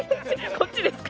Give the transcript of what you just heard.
こっちですか？